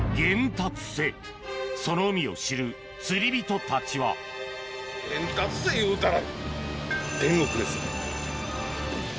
その海を知る釣り人たちは玄達瀬いうたら。